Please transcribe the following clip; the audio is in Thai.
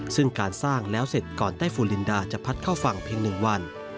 ซึ่งการสร้างแล้วเสร็จก่อนไต้ฟูลินดาจะพัดเข้าฝั่งเพียง๑วัน